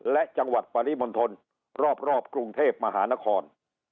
และจังหวัดปริมณฑลรอบกรุงเทพมหานคร